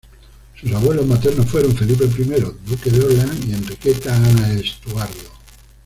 Sus abuelos maternos fueron Felipe I, Duque de Orleans y Enriqueta Ana Estuardo.